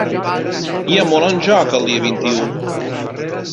Hi ha molt en joc el dia vint-i-u.